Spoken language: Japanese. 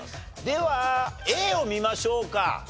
ではＡを見ましょうか。